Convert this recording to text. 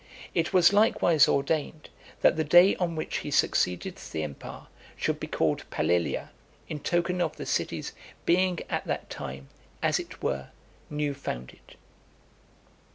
It was likewise ordained, that the day on which he succeeded to the empire should be called Palilia, in token of the city's being at that time, as it were, new founded.